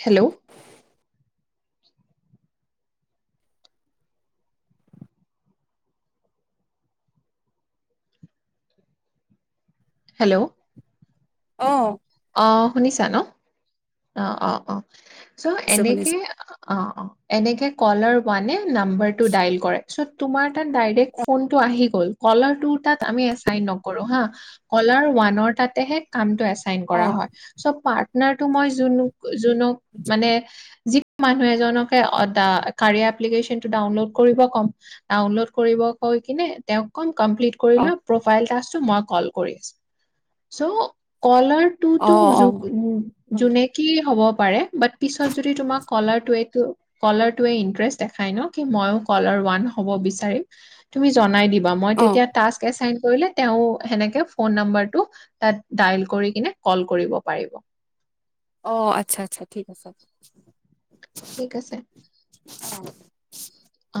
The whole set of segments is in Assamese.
হেল্ল' হেল্ল' অ অ' শুনিছা ন'? অ অ অ চ এনেকে শুনিছো শুনিছো অ এনেকে কলাৰ ওৱানে নাম্বাৰটো ডাইল কৰে, চ' তোমাৰ তাত ডাইৰেক্ট ফোন টো আহি গ'ল কলাৰ টুৰ তাত আমি এচাইন নকৰো হা। কলাৰ ওৱানৰ তাতেহে কামটো এচা চাইন অ কৰা হয়। সব পাৰ্ট‌ নাৰটো মইয জুনু যোনক মানে যি মানুহ এজনকে অ দা কাৰি এপ্লিকেচনটো ডাৱনলোড কৰিব কম ডাৱনলোড কৰিব কৈ কিনে তেওঁক কম কমপ্লিট কৰি অ লোৱা প্ৰফাইল টাচকটো মই কল কৰি আছোঁ। চ' কলাৰ অ টোতো অ সুযোগ উম যোনে হ'ব পাৰে বাত পিছত যদি তোমাক কলাৰটোৱে তো, কলাৰটোৱে ইনট্ৰেচত দেখাই ন' কি ময়ো কলাৰ ওৱান হ'ব বিচাৰিম। তুমি জনাই দি বা মই অ তেতিয়া াস এ কৰিলে তেওঁ সেনেকে ফোন নাম্বাৰটো তাত ডাইল কৰি কিনে কল কৰিব পাৰিব। অ আচ্ছা আচ্ছা ঠিক আছে। ঠিক আছে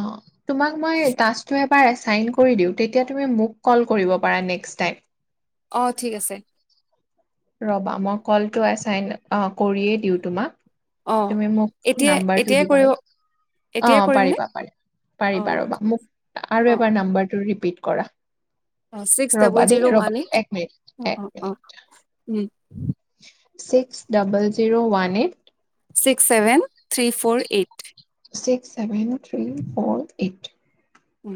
অ তোমাক মই তাচটোয়ে আৰ চাইন কৰি দিওঁ তেতিয়া তুমি মোক কল কৰিব পাৰা নেষ্ট টাইম অ ঠিক আছে ৰবা মই কলটো চাইন কৰিয়ে দিওঁ অ তোমাক তুমি মোক এতিয়া নাম্বাৰটো এতিয়াই দিবা কৰিব ৰ অ এতিয়াই কৰিম নে পাৰিবা পাৰিবা অ পাৰিবা ৰবা ঠিক আছে। মোক অ আৰু এবাৰ নাম্বাৰটো ৰিপিত কৰা অ ছিক্স ৰবা ডাবল দেই জিৰ' ওৱান ৰবা এই এক মিনিট এক অ অ অ minute six double zero one eight six seven three four eight six seven three four eight um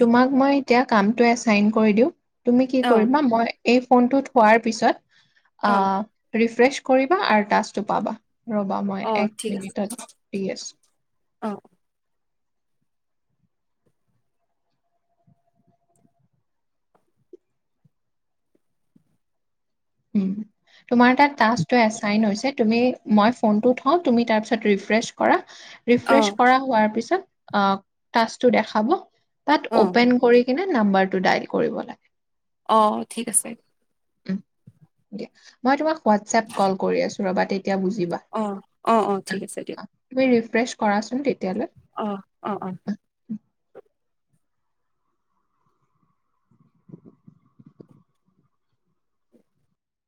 তোমাক মই এতিয়া কামটো এচাইন কৰি দিও তুমি কি অ কৰিবা মই এই ফোনটোত থোৱাৰ পিছত অ ৰিফে ফ্ৰেছ কৰিবা আৰু টাচটো পাবা ৰবা অ মই এক ঠিক আছে মিনিটত দি আছো অ উম তোমাৰ তাত টাস্কটো এচাইন হৈছে। তুমি- মই ফোনটো থওঁ তুমি তাৰপিছত ৰিফ্ৰেছ কৰা। অ ৰিফ্ৰেছ কৰা হোৱাৰ পিছত। অ টাস্কটো দেখাব। তাত অ অপেন কৰি কিনে- নাম্বাৰটো ডাইল কৰিব লাগে। অ', ঠিক আছে। উম। মই তোমাক হোৱাটছএপ কল কৰি আছোঁ। ৰ'বাটিত এতিয়া বুজিবা অ ঠিক অ', আছে দিয়ক অ', তুমি ৰি প্ৰেচ কৰাচোন তে অ', অ'।